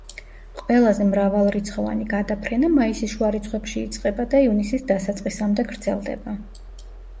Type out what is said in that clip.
ყველაზე მრავალრიცხოვანი გადაფრენა მაისის შუა რიცხვებში იწყება და ივნისის დასაწყისამდე გრძელდება.